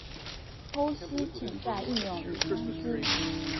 剖析潜在应用与商机